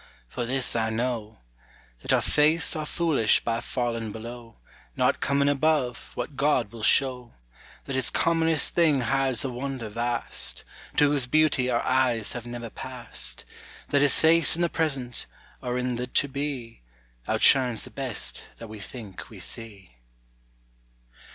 For this I know, That our faiths are foolish by falling below, Not coming above, what God will show; That his commonest thing hides a wonder vast, To whose beauty our eyes have never passed; That his face in the present, or in the to be, Outshines the best that we think we see.